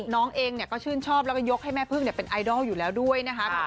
น้องเองเนี่ยก็ชื่นชอบแล้วก็ยกให้แม่เพิ่งเนี่ยเป็นไอดอลอยู่แล้วด้วยนะครับ